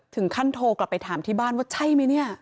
ถึงขั้นโทรกลับไปถามที่บ้านว่าใช่ไหม